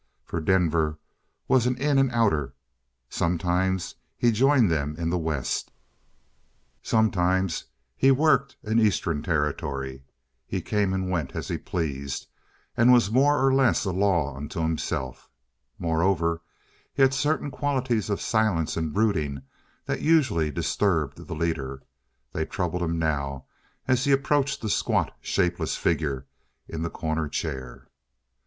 For Denver was an "in and outer." Sometimes he joined them in the West; sometimes he "worked" an Eastern territory. He came and went as he pleased, and was more or less a law to himself. Moreover, he had certain qualities of silence and brooding that usually disturbed the leader. They troubled him now as he approached the squat, shapeless figure in the corner chair.